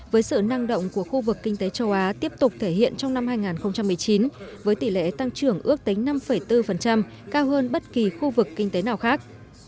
với sự năng động của khu vực kinh tế châu á tiếp tục thể hiện trong năm hai nghìn một mươi chín với tỷ lệ tăng trưởng ước tính năm bốn cao hơn bất kỳ khu vực kinh tế nào khác